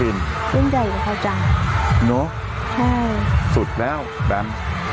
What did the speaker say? อุ๊ยให้ดูสุดแล้วแบม